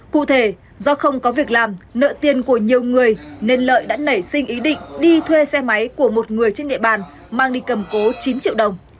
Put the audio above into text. cụ thể do không có việc làm nợ tiền của nhiều người nên lợi đã nảy sinh ý định đi thuê xe máy của một người trên địa bàn mang đi cầm cố chín triệu đồng